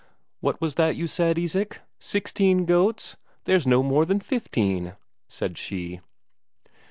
"What was that you said, Isak? Sixteen goats? There's no more than fifteen," said she.